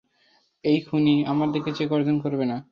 অ্যাই খুনি, আমার দিকে চেয়ে গর্জন করবে না।